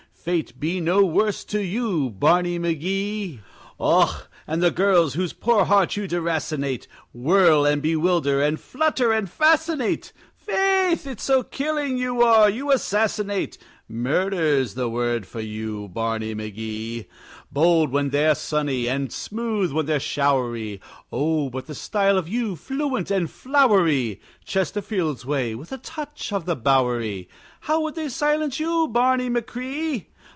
Fate be no worse to you, Barney McGee! Och, and the girls whose poor hearts you deracinate, Whirl and bewilder and flutter and fascinate! Faith, it's so killing you are, you assassinate Murder's the word for you, Barney McGee! Bold when they're sunny, and smooth when they're showery Oh, but the style of you, fluent and flowery! Chesterfield's way, with a touch of the Bowery! How would they silence you, Barney machree?